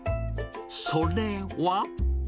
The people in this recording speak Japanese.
それは。